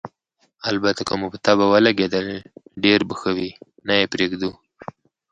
البته که مو په طبعه ولګېدل، ډېر به ښه وي، نه یې پرېږدو.